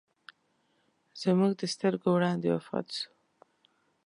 زموږ د سترګو وړاندې وفات سو.